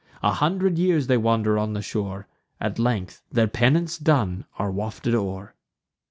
A hundred years they wander on the shore; At length, their penance done, are wafted o'er."